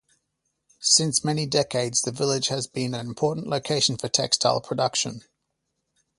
Since many decades, the village has been an important location for textile production.